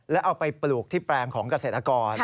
แล้วเอาไปปลูกที่แปลงของเกษตรกร